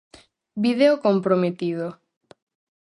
Vídeo comprometido.